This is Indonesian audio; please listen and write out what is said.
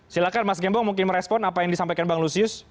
silahkan mas gembong mungkin merespon apa yang disampaikan bang lusius